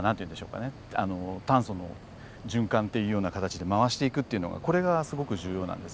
炭素の循環っていうような形で回していくっていうのがこれがすごく重要なんです。